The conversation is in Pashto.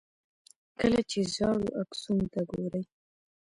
کله چې زاړو عکسونو ته ګورئ.